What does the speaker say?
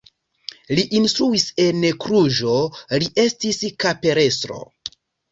Li instruis en Kluĵo, li estis kapelestro.